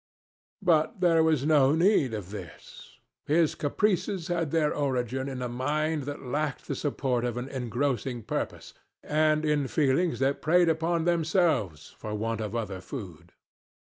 But there was no need of this. His caprices had their origin in a mind that lacked the support of an engrossing purpose, and in feelings that preyed upon themselves for want of other food.